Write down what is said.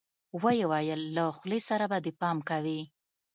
ويې ويل له خولې سره به دې پام کوې.